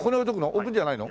置くんじゃないの？